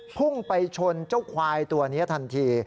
พุ่งไปชนเจ้าควายตัวนี้ทันที